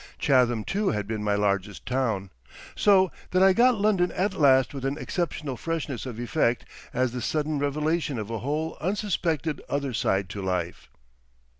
Chatham too had been my largest town. So that I got London at last with an exceptional freshness of effect, as the sudden revelation of a whole unsuspected other side to life.